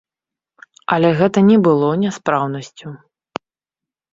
Але гэта не было няспраўнасцю.